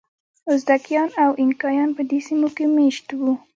ازتکیان او اینکایان په دې سیمو کې مېشت وو.